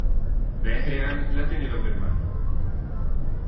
Vehrehan la teneva per mano.